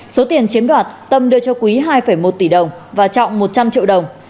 số tiền chiếm đoạt tâm đưa cho quý hai một tỷ đồng và trọng một trăm linh triệu đồng